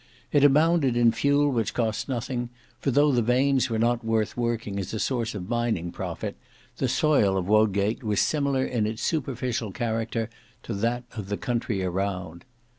It abounded in fuel which cost nothing, for though the veins were not worth working as a source of mining profit, the soil of Wodgate was similar in its superficial character to that of the country around.